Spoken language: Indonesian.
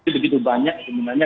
begitu banyak kemungkinannya